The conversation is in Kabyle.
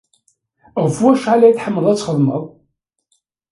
Ɣef wacḥal ay tḥemmleḍ ad txedmeḍ?